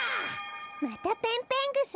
またペンペングサ？